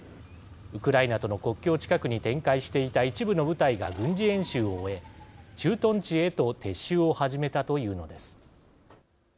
ウクライナとの国境近くに展開していた一部の部隊が軍事演習を終え駐屯地へと撤収を始めたというのです。